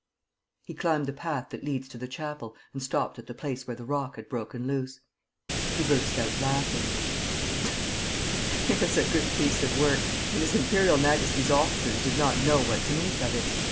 He climbed the path that leads to the chapel and stopped at the place where the rock had broken loose. He burst out laughing: "It was a good piece of work and His Imperial Majesty's officers did not know what to make of it.